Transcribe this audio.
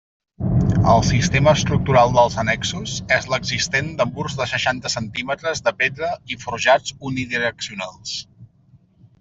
El sistema estructural dels annexos és l'existent de murs de seixanta centímetres de pedra i forjats unidireccionals.